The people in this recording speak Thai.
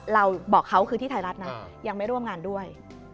เราบอกเขาคือที่ไทยรัฐนะยังไม่ร่วมงานด้วย